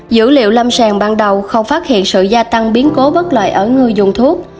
dữ liệu lâm sàng ban đầu không phát hiện sự gia tăng biến cố bất lợi ở người dùng thuốc